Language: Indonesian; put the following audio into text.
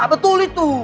nah betul itu